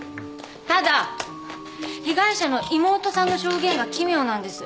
ただ被害者の妹さんの証言が奇妙なんです。